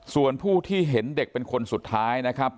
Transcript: ส่วนผู้ที่เห็นเด็กเป็นคนสุดท้ายนะครับ